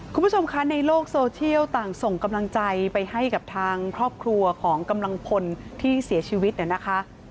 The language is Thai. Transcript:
คุณผู้ชมคะในโลกโซเชียลต่างส่งกำลังใจไปให้กับทางครอบครัวของกำลังพลที่เสียชีวิตเนี่ยนะคะ